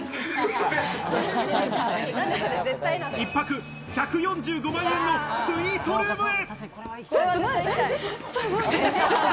一泊１４５万円のスイートルームへ。